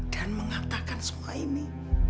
dan mengatakan semua ini